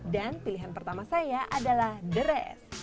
dan pilihan pertama saya adalah deres